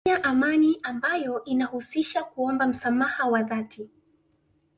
Kufanya amani ambayo inahusisha kuomba msamaha wa dhati